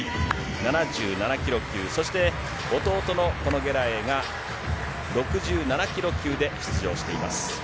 ７７キロ級、そして弟のこのゲラエイが６７キロ級で出場しています。